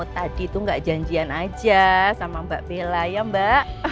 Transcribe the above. tadi tuh gak janjian aja sama mbak bella ya mbak